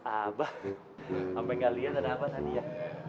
abah sampai nggak liat ada abah tadi ya